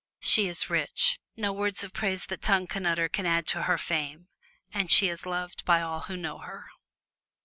She is rich; no words of praise that tongue can utter can add to her fame; and she is loved by all who know her.